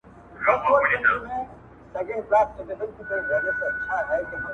لکه ست د غریبۍ هسې دروغ وې